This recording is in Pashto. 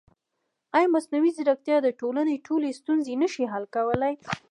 ایا مصنوعي ځیرکتیا د ټولنې ټولې ستونزې نه شي حل کولی؟